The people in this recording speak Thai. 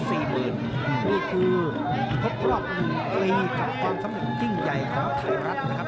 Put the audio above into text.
พบกับกลางคืนปีกับความที่สะขมึกจริงใหญ่ของไทยรัสนะครับ